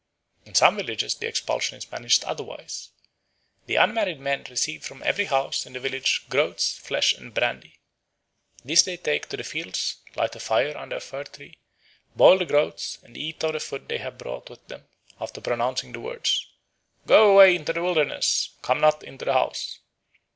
In some villages the expulsion is managed otherwise. The unmarried men receive from every house in the village groats, flesh, and brandy. These they take to the fields, light a fire under a fir tree, boil the groats, and eat of the food they have brought with them, after pronouncing the words, "Go away into the wilderness, come not into the house."